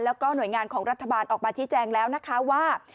แล้วก็หน่วยงานของรัฐบาลออกมาชี้แจงแล้วนะคะว่า